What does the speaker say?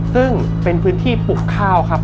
ซึ่งเป็นพื้นที่ปลูกข้าวครับ